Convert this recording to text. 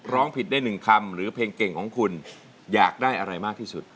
ร้องผิดได้หนึ่งคำหรือเพลงเก่งของคุณอยากได้อะไรมากที่สุด